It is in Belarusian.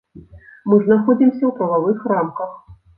Мы знаходзімся ў прававых рамках.